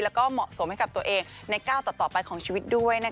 แล้วก็เหมาะสมให้กับตัวเองในก้าวต่อไปของชีวิตด้วย